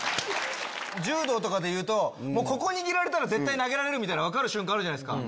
柔道とかでいうとここ握られたら投げられるって分かる瞬間あるじゃないですか。